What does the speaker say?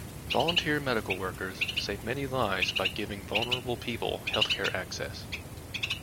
Volunteer Medical workers save many lives by giving vulnerable people health-care access